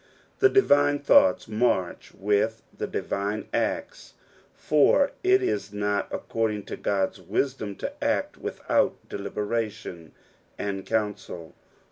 The divine thoughts march with the divine acts, for it is not according to God's wisdom to act without deliberation snd counsel.